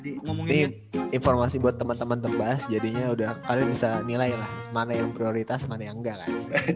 ini informasi buat temen temen terbahas jadinya kalian bisa nilai lah mana yang prioritas mana yang nggak kan